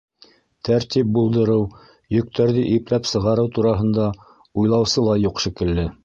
Тәртип булдырыу, йөктәрҙе ипләп сығарыу тураһында уйлаусы ла юҡ шикелле.